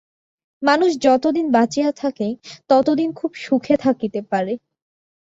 মানুষ যতদিন বাঁচিয়া থাকে, ততদিন খুব সুখে থাকিতে পারে।